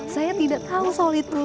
saya tidak tahu soal itu